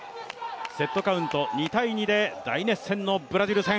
セットカウント２−２で大熱戦のブラジル戦。